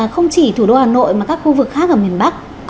không chỉ thủ đô hà nội mà các khu vực khác ở miền bắc